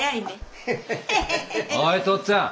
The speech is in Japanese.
おいとっつぁん。